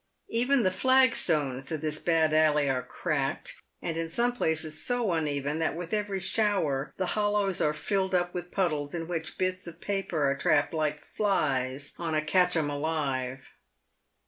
Even the flagstones to this bad alley are cracked, and in some places so uneven that with every shower the hollows are filled up with puddles, in which bits of paper are trapped like flies on a " catch 'em alive."